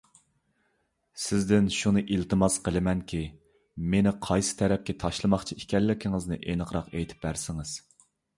سىزدىن شۇنى ئىلتىماس قىلىمەنكى، مېنى قايسى تەرەپكە تاشلىماقچى ئىكەنلىكىڭىزنى ئېنىقراق ئېيتىپ بەرسىڭىز.